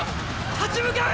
立ち向かえ！！